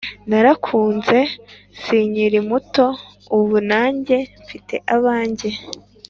narakuze sinkiri muto ubu nanjye mfite abanjye